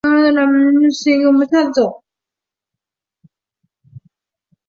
湖北贝母为百合科贝母属下的一个种。